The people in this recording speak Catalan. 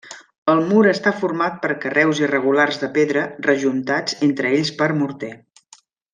El mur està format per carreus irregulars de pedra rejuntats entre ells per morter.